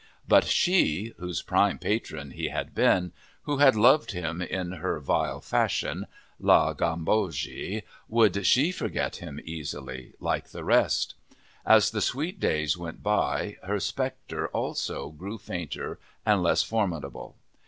But she, whose prime patron he had been, who had loved him in her vile fashion, La Gambogi, would she forget him easily, like the rest? As the sweet days went by, her spectre, also, grew fainter and less formidable.